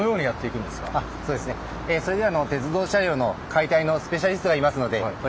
それでは鉄道車両の解体のスペシャリストがいますのでお呼びします。